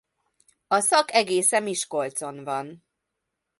A szak egésze Miskolcon van.